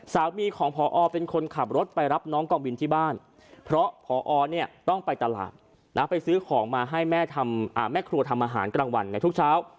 สามีของพอเป็นคนขับรถไปรับน้องกองบินที่บ้านเพราะพอเนี่ยต้องไปตลาดนะไปซื้อของมาให้แม่ครัวทำอาหารกลางวันในทุกเช้า